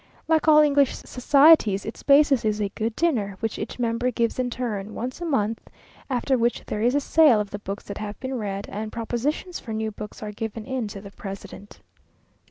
Like all English societies, its basis is a good dinner, which each member gives in turn, once a month, after which there is a sale of the books that have been read, and propositions for new books are given in to the president.